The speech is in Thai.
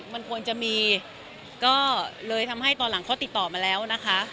มันควรจะมีก็เลยทำให้ตอนหลังเขาติดต่อมาแล้วนะคะ